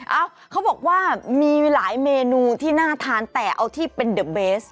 เอ้าเขาบอกว่ามีหลายเมนูที่น่าทานแต่เอาที่เป็นเดอะเบส